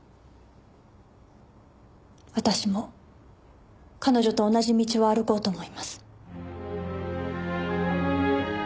私も彼女と同じ道を歩こうと思います。